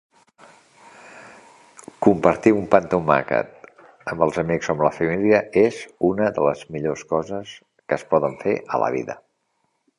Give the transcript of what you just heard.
Compartir un pa amb tomàquet amb els amics o amb la família és una de les millors coses que es poden fer a la vida.